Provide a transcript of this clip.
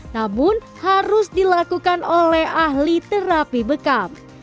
namun harus dilakukan oleh ahli terapi bekam